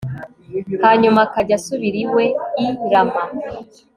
hanyuma akajya asubira iwe i rama